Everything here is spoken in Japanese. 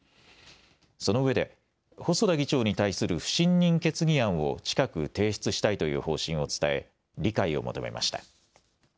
そのうえで細田議長に対する不信任決議案を近く提出したいという方針を伝え理解を求めました。